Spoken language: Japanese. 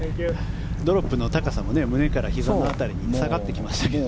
ドロップの高さも胸からひざの辺りに下がってきましたけどね。